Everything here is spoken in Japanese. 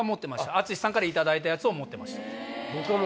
淳さんから頂いたやつを持ってました。